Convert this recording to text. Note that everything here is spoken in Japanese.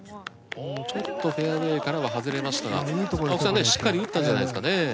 ちょっとフェアウェイからは外れましたが青木さんねしっかり打ったんじゃないですかね。